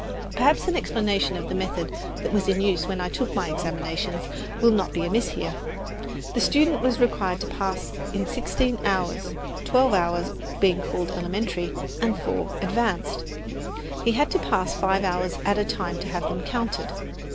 Perhaps an explanation of the method that was in use when I took my examinations will not be amiss here. The student was required to pass in sixteen hours twelve hours being called elementary and four advanced. He had to pass five hours at a time to have them counted.